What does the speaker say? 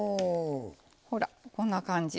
ほらこんな感じ。